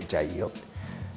って。